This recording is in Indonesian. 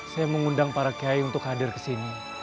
saya mengundang para kiai untuk hadir ke sini